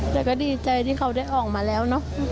แต่ก็ดีใจที่เขาได้ออกมาแล้วเนอะ